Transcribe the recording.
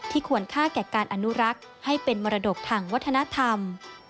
ควรค่าแก่การอนุรักษ์ให้เป็นมรดกทางวัฒนธรรม